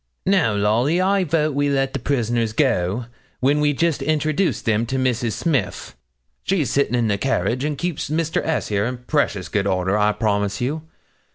Now, Lolly, I vote we let the prisoners go, when we just introduce them to Mrs. Smith; she's sitting in the carriage, and keeps Mr. S. here in precious good order, I promise you.